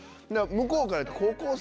向こうから。